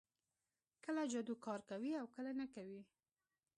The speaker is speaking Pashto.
کله جادو کار کوي او کله نه کوي